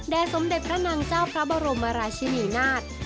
สมเด็จพระนางเจ้าพระบรมราชินีนาฏ